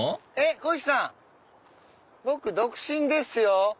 こひさん僕独身ですよ。